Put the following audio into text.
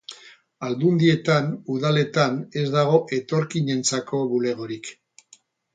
Aldundietan, udaletan, ez dago etorkinentzako bulegorik.